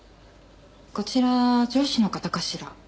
こちら上司の方かしら？